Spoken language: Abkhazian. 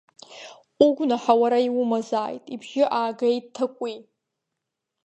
Угәнаҳа уара иумазааит, ибжьы аагеит Ҭакәи.